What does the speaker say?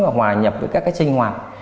và hòa nhập với các cái sinh hoạt